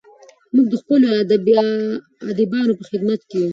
موږ د خپلو ادیبانو په خدمت کې یو.